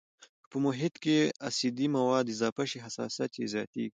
که په محیط کې اسیدي مواد اضافه شي حساسیت یې زیاتیږي.